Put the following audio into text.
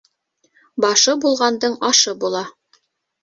Башы булғандың ашы була.